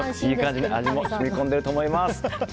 いい感じに味も染み込んでいると思います。